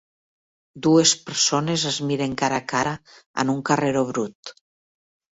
Dues persones es miren cara a cara en un carreró brut.